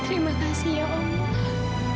terima kasih ya allah